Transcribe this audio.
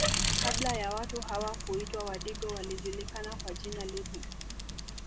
Kabla ya watu hawa kuitwa wadigo walijulikana kwa jina lipi